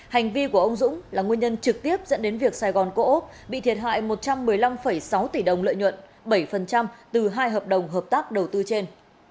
hành vi của ông dũng là nguyên nhân trực tiếp dẫn đến việc sài gòn cổ úc bị thiệt hại một trăm một mươi năm sáu tỷ đồng lợi nhuận bảy từ hai hợp đồng hợp tác đầu tư trên